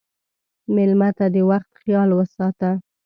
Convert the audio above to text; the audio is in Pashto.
مېلمه ته د وخت خیال وساته.